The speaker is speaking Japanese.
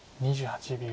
２８秒。